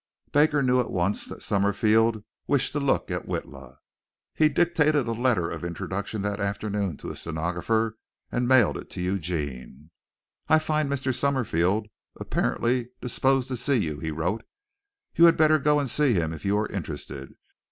Baker knew at once that Summerfield wished to look at Witla. He dictated a letter of introduction that afternoon to his stenographer and mailed it to Eugene. "I find Mr. Summerfield apparently disposed to see you," he wrote. "You had better go and see him if you are interested.